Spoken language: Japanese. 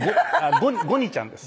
ゴニちゃんです